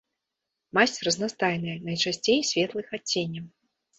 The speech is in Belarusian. Масць разнастайная, найчасцей светлых адценняў.